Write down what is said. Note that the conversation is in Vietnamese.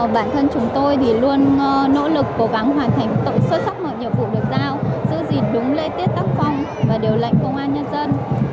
bản thân chúng tôi luôn nỗ lực cố gắng hoàn thành xuất sắc mọi nhiệm vụ được giao giữ gìn đúng lễ tiết tác phong và điều lệnh công an nhân dân